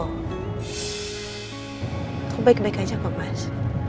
aku baik baik aja kok mas